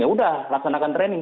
ya udah laksanakan training